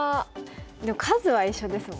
でも数は一緒ですもんね。